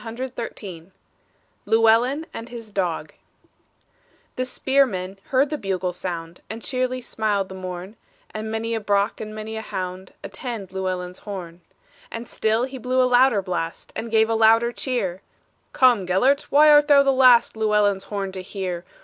MARY HOWITT LLEWELLYN AND HIS DOG The spearmen heard the bugle sound, And cheer'ly smiled the morn; And many a brach, and many a hound, Attend Llewellyn's horn. And still he blew a louder blast, And gave a louder cheer; "Come, Gelert! why art thou the last Llewellyn's horn to hear?